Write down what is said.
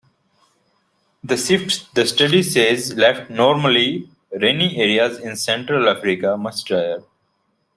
The shift, the study says, left normally rainy areas in Central Africa much drier.